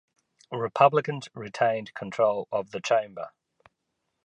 Republicans retained control of the chamber.